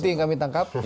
itu yang kami tangkap